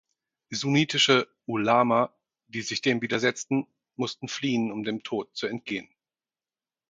Sunnitische "Ulama", die sich dem widersetzten, mussten fliehen, um dem Tod zu entgehen.